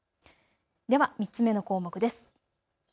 では３つ目の項目です。